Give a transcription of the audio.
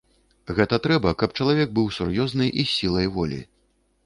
Гэта трэба, каб чалавек быў сур'ёзны і з сілай волі.